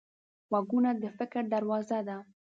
غوږونه د فکر دروازه ده